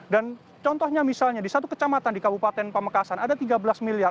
dan contohnya misalnya di satu kecamatan di kabupaten pamekasan ada tiga belas miliar